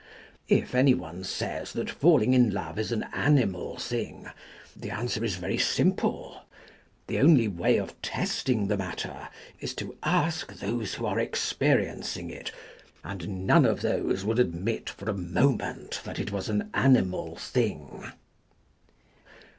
If any one says that fall ing in love is an animal thing, the answer is very simple. The only way of testing the matter is to ask those who are experienc ing it, and none of those would admit for a moment that it was an animal thing.